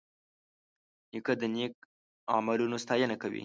نیکه د نیک عملونو ستاینه کوي.